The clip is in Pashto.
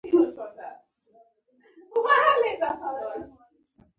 هغې هوډ وکړ او شا ته یې ونه کتل.